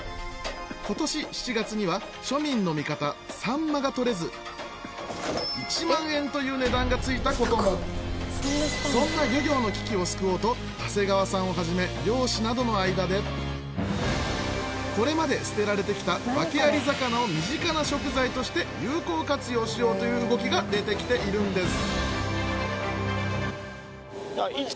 今年７月には庶民の味方サンマが取れず１万円という値段がついたこともそんな漁業の危機を救おうと長谷川さんをはじめ漁師などの間でこれまで捨てられてきたワケアリ魚を身近な食材として有効活用しようという動きが出てきているんです